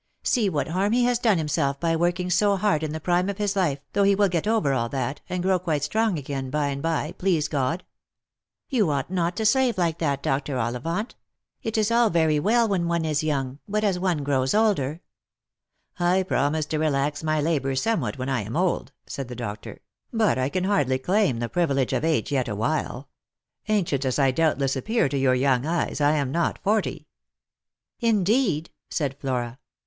See what harm he has done himself by working so hard in the prime of his life, though he will get over all that, and grow quite strong again by and by, please God. You ought not to slave like that, Dr. Ollivant. It is all very well when one is young, but as one grows older "" I promise to relax my labours somewhat when I am old," said the doctor ;" but I can hardly claim the privilege of age yet awhile. Ancient as I doubtless appear to your young eyes, I am not forty." " Indeed !" said Flora.